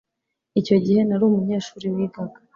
Icyo gihe nari umunyeshuri wigaga